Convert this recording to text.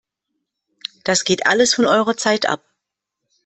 Das geht alles von eurer Zeit ab!